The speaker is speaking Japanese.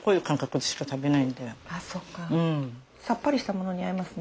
さっぱりしたものに合いますね。